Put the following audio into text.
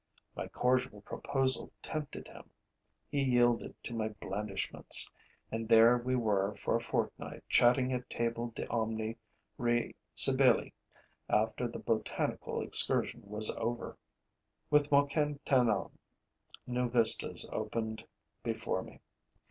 My cordial proposal tempted him; he yielded to my blandishments; and there we were for a fortnight chatting at table de omni re scibili after the botanical excursion was over. With Moquin Tandon, new vistas opened before me.